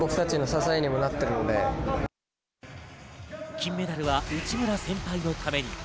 金メダルは内村先輩のために！